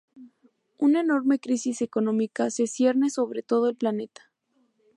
Una enorme crisis económica se cierne sobre todo el planeta.